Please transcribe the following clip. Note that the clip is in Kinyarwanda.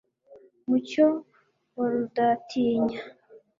mucyo wa rudatinya